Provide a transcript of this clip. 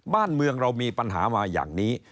บ้านเมืองเรามีปัญหามาอย่างนี้